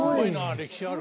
歴史ある。